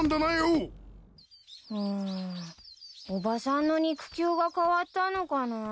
うんおばさんの肉球が変わったのかなぁ。